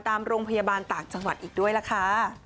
ตามโรงพยาบาลต่างจังหวัดอีกด้วยล่ะค่ะ